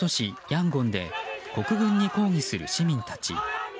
ヤンゴンで国軍に抗議する市民たち。